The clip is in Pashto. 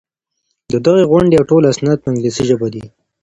د دغي غونډې ټول اسناد په انګلیسي ژبه دي.